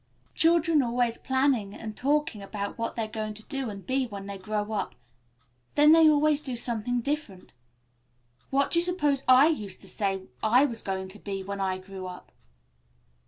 "Children are always planning and talking about what they're going to do and be when they grow up; then they always do something different. What do you suppose I used to say I was going to be when I grew up?"